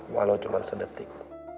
walau cuma sedetik